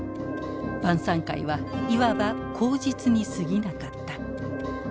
晩餐会はいわば口実にすぎなかった。